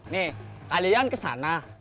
nih kalian kesana